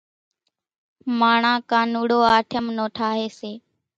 ماڻۿان ڪانوڙو آٺم نو ٺاۿي سي،